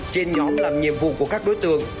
trên nhóm làm nhiệm vụ của các đối tượng